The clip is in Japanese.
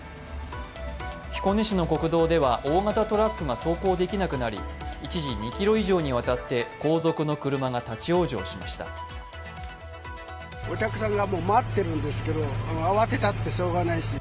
彦根市の国道では大型トラックが走行できなくなり一時２ｋｍ以上にわたって後続の車が立往生しました。